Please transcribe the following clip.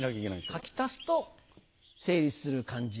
書き足すと成立する感じ。